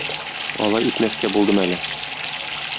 Алай итмәскә булдым әле.